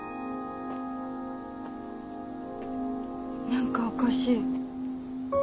何かおかしい。